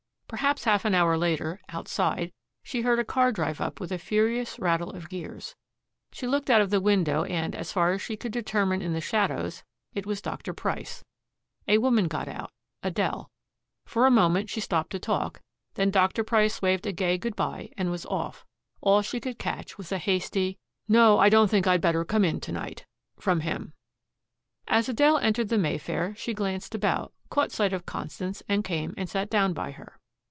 Perhaps half an hour later, outside, she heard a car drive up with a furious rattle of gears. She looked out of the window and, as far as she could determine in the shadows, it was Dr. Price. A woman got out, Adele. For a moment she stopped to talk, then Dr. Price waved a gay good bye and was off. All she could catch was a hasty, "No; I don't think I'd better come in to night," from him. As Adele entered the Mayfair she glanced about, caught sight of Constance and came and sat down by her.